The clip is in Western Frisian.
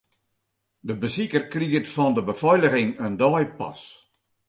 De besiker kriget fan de befeiliging in deipas.